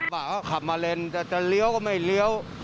บะก็ขับมาเลนแต่จะเลี้ยวก็ไม่เลี้ยว